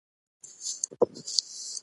د هغه احسان غوټ مات کړى وم.